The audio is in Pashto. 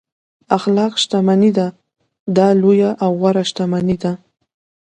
اخلاق شتمني ده دا لویه او غوره شتمني ده.